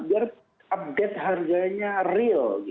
biar update harganya real